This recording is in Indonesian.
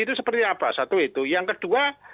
itu seperti apa satu itu yang kedua